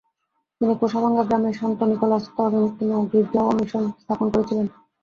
তিনি কোষাভাঙা গ্রামে সন্ত নিকোলাস তলেন্তিনো গির্জা ও মিশন স্থাপন করেছিলেন।